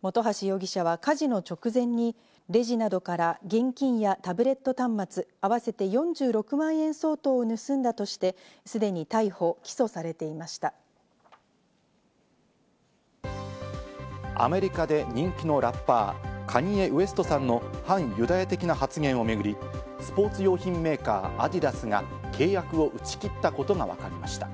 本橋容疑者は火事の直前にレジなどから現金やタブレット端末、合わせて４６万円相当を盗んだとして、すでに逮捕、起訴されていアメリカで人気のラッパー、カニエ・ウエストさんの反ユダヤ的な発言をめぐり、スポーツ用品メーカー、アディダスが契約を打ち切ったことがわかりました。